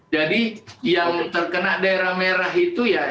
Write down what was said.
jadi yang terkena daerah merah itu ya